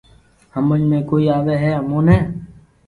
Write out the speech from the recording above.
ھمج ۾ ڪوئي آوي ھي اموني